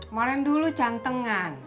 maren dulu cantengan